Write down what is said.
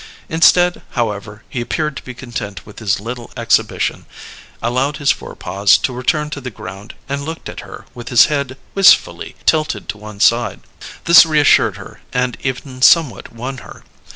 Instead, however, he appeared to be content with his little exhibition, allowed his forepaws to return to the ground, and looked at her with his head wistfully tilted to one side. This reassured her and even somewhat won her.